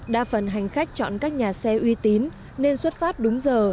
đa phần hành khách chọn các nhà xe uy tín nên xuất phát đúng giờ